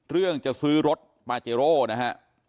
เรื่องจะซื้อรถปาเจโร่นะฮะ